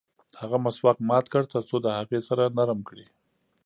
هغه مسواک مات کړ ترڅو د هغې سر نرم کړي.